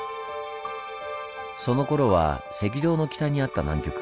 そのころは赤道の北にあった南極。